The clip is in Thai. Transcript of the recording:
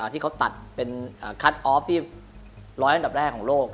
ที่เขาตัดเป็นคัทออฟที่๑๐๐อันดับแรกของโลก